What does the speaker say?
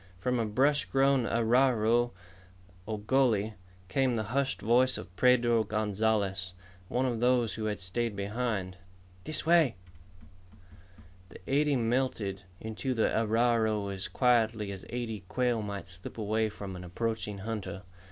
From a brush grown arroyo, or gully, came the hushed voice of Pedro Gonzalez, one of those who had stayed behind. "This way." The eighty melted into the arroyo as quietly as eighty quail might slip away from an approaching hunter.